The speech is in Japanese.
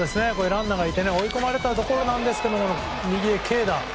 ランナーがいて追い込まれたところなんですが右へ軽打。